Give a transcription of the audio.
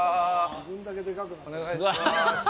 お願いします。